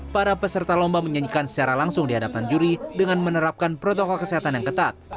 para peserta lomba menyanyikan secara langsung di hadapan juri dengan menerapkan protokol kesehatan yang ketat